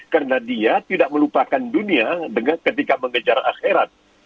karena dia tidak melupakan dunia ketika mengejar akhirat